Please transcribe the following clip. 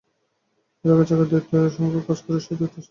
এর আগে চাকরির দায়িত্বে শশাঙ্ক কাজ করেছে, সে দায়িত্বের সীমা ছিল পরিমিত।